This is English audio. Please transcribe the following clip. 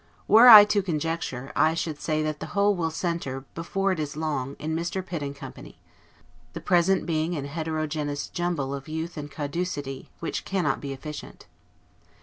Were I to conjecture, I should say that the whole will centre, before it is long, in Mr. Pitt and Co., the present being an heterogeneous jumble of youth and caducity, which cannot be efficient.